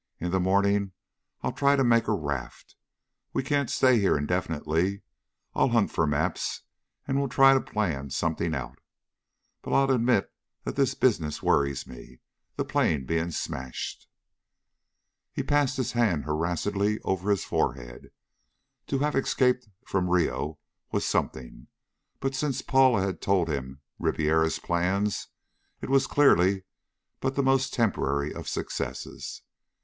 "In the morning I'll try to make a raft. We can't stay here indefinitely. I'll hunt for maps and we'll try to plan something out. But I'll admit that this business worries me the plane being smashed." He passed his hand harassedly over his forehead. To have escaped from Rio was something, but since Paula had told him Ribiera's plans, it was clearly but the most temporary of successes.